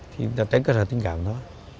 ta xét các thần tình cảm đó